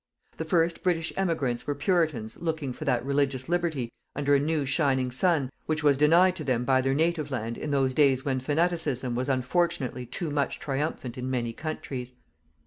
The first British emigrants were Puritans looking for that religious liberty, under a new shining sun, which was denied to them by their native land in those days when fanaticism was unfortunately too much triumphant in many countries.